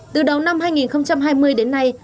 từ đầu năm hai nghìn hai mươi đến nay